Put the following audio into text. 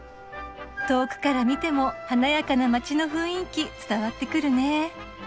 遠くから見ても華やかな街の雰囲気伝わってくるね。